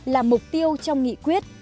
là mục tiêu trong nghị quyết